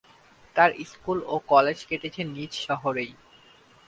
তার স্কুল ও কলেজ কেটেছে নিজ শহরেই।